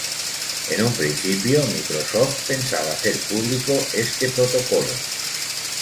En un principio, Microsoft pensaba hacer público este protocolo.